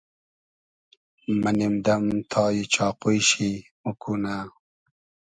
مۂ نیم دئم تای چاقوی شی ، موکونۂ